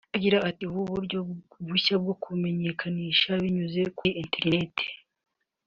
Agira ati “Ubu buryo bushya bwo kumenyekanisha binyuze kuri internet